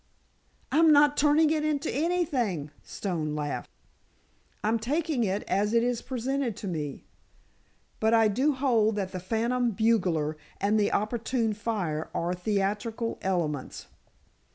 "I'm not turning it into anything," Stone laughed. "I'm taking it as it is presented to me, but I do hold that the phantom bugler and the opportune fire are theatrical elements."